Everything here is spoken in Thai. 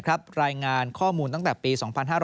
รายงานข้อมูลตั้งแต่ปี๒๕๕๙